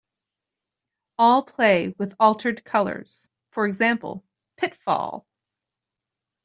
All play with altered colors - for example, Pitfall!